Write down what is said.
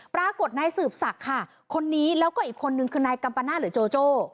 ปรากฏนายสืบศักดิ์ค่ะคนนี้แล้วก็อีกคนนึงคือนายกัมปนาศหรือโจโจ้